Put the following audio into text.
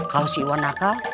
kalau si iwan nakal